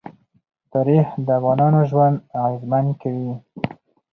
تاریخ د افغانانو ژوند اغېزمن کوي.